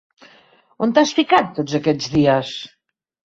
¿On t'has ficat, tots aquests dies?